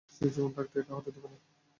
সে জীবন থাকতে এটা হতে দেবে না!